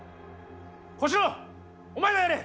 小四郎お前がやれ！